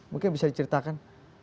mungkin bisa diceritakan